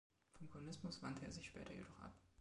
Vom Kommunismus wandte er sich später jedoch ab.